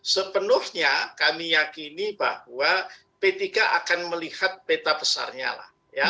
sepenuhnya kami yakini bahwa p tiga akan melihat peta besarnya lah